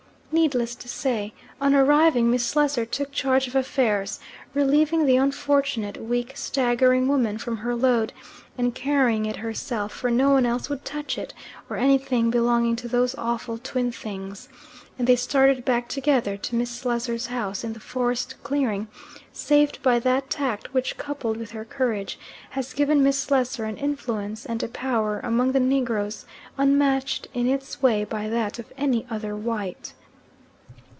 Needless to say, on arriving Miss Slessor took charge of affairs, relieving the unfortunate, weak, staggering woman from her load and carrying it herself, for no one else would touch it, or anything belonging to those awful twin things, and they started back together to Miss Slessor's house in the forest clearing, saved by that tact which, coupled with her courage, has given Miss Slessor an influence and a power among the negroes unmatched in its way by that of any other white.